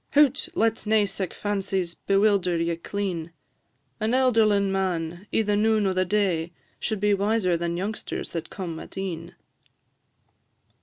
Hoot! let nae sic fancies bewilder ye clean An elderlin' man, i' the noon o' the day, Should be wiser than youngsters that come at e'en."